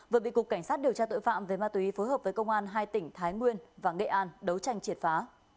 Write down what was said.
vừa bị cục cảnh sát điều tra tội phạm về ma túy phối hợp với công an hai tỉnh thái nguyên và nghệ an đấu tranh triệt phá